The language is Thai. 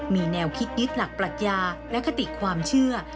มีแนวคิดยึดหลักปรัชญาและคติความเชื่อ